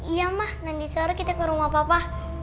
iya mah nanti sore kita ke rumah papa